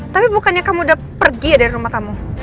tapi bukannya kamu udah pergi dari rumah kamu